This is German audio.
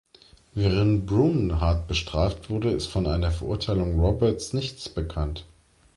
Während Brun hart bestraft wurde, ist von einer Verurteilung Roberts nichts bekannt.